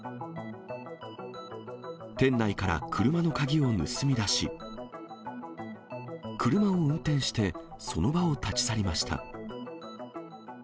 店内から車の鍵を盗み出し、車を運転して、その場を立ち去りました。